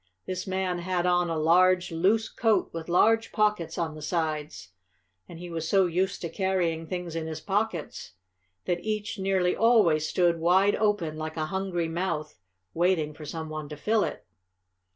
This man had on a large, loose coat with large pockets on the sides, and he was so used to carrying things in his pockets that each nearly always stood wide open, like a hungry mouth, waiting for some one to fill it.